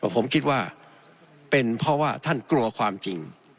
ผมคิดว่าเป็นเพราะว่าท่านกลัวความจริง